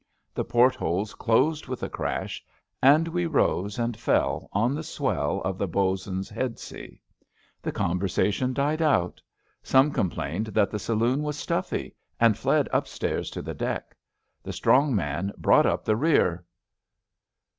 The portholes closed with a clash, and we rose and fell on the swell of the bo 'sun's head sea. The conversation died out. Some complained that the saloon was stuffy, and fled upstairs to the deck. The strong man brought up the rear.